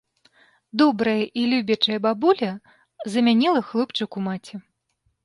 Добрая і любячая бабуля замяніла хлопчыку маці.